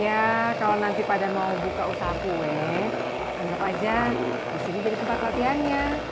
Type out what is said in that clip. iya kalau nanti pada mau buka usapue anggap aja di sini jadi tempat latihannya